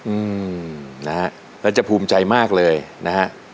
อืมนะฮะแล้วจะภูมิใจมากเลยนะฮะ